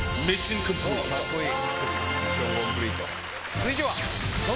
続いては。